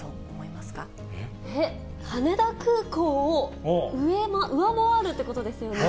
羽田空港を上回るということですよね。